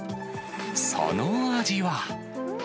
その味は。